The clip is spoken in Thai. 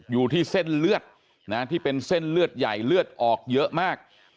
อยู่ที่เส้นเลือดนะที่เป็นเส้นเลือดใหญ่เลือดออกเยอะมาก